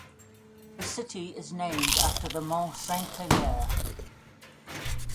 The city is named after the Mont Saint-Hilaire.